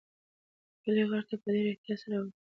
د کلي غره ته په ډېر احتیاط سره وخیژئ.